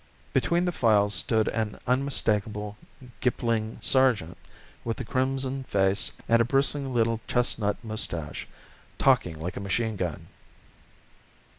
Between the files stood an unmistakable gipling sergeant with a crimson face and a bristling little chestnut moustache, talking like a machine gun.